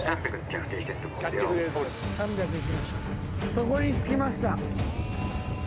そこに着きました。